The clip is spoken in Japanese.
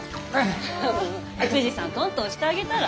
福治さんトントンしてあげたら？